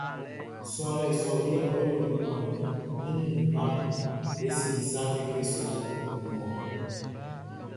Suanlɛ sɔʼn yɛ ɔ yoli maan mi ni mi mma mun e sinnin sa kekle sɔʼn nun ɔn.